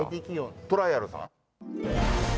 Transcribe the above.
トライアルさん？